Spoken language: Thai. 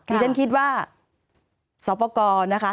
ดิฉันคิดว่าสอบประกอบนะคะ